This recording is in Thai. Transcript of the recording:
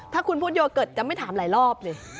ถ้าคุณพูดโยเกิร์ตจะไม่ถามหลายรอบเลย